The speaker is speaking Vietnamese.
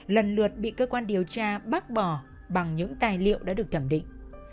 lần lượt bị cơ quan điều tra bác bỏ bằng những tài liệu đã được thẩm định